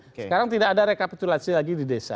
sekarang tidak ada rekapitulasi lagi di desa